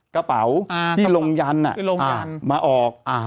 กระเป๋าที่ลงยันมาออก